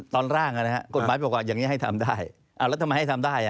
ตอนร่างกฎหมายบอกว่าอย่างนี้ให้ทำได้แล้วทำไมให้ทำได้